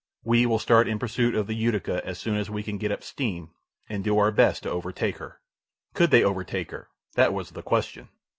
"We will start in pursuit of the Utica as soon as we can get up steam, and do our best to overtake her." Could they overtake her? That was the question.